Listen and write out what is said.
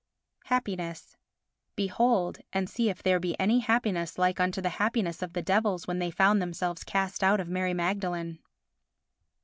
Happiness Behold and see if there be any happiness like unto the happiness of the devils when they found themselves cast out of Mary Magdalene.